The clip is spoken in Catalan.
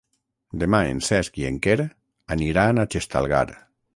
Demà en Cesc i en Quer aniran a Xestalgar.